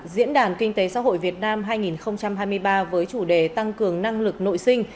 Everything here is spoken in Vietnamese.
diễn đàn kinh tế xã hội việt nam hai nghìn hai mươi ba với chủ đề tăng cường năng lực nội sinh